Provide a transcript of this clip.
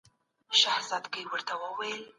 د پوهانو درناوی وکړئ.